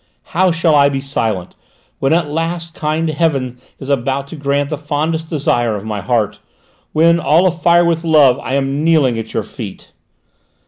"How shall I be silent, when at last kind heaven is about to grant the fondest desire of my heart? When, all afire with love, I am kneeling at your feet?"